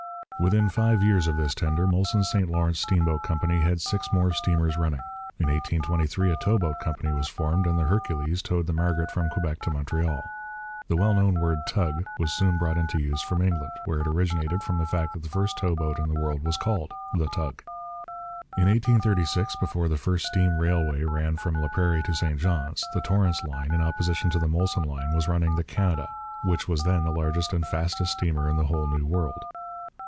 Within five years of this tender Molson's St Lawrence Steamboat Company had six more steamers running. In 1823 a towboat company was formed, and the Hercules towed the Margaret from Quebec to Montreal. The well known word 'tug' was soon brought into use from England, where it originated from the fact that the first towboat in the world was called The Tug. In 1836, before the first steam railway train ran from La Prairie to St Johns, the Torrance Line, in opposition to the Molson Line, was running the Canada, which was then the largest and fastest steamer in the whole New World.